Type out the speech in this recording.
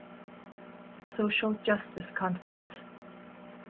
Social Justice Conference.